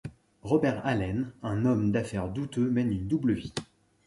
Robert Allen, un homme d'affaires douteux mène une double vie.